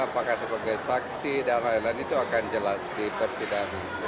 apakah sebagai saksi dan lain lain itu akan jelas di persidangan